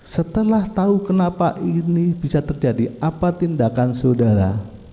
setelah tahu kenapa ini bisa terjadi apa tindakan saudara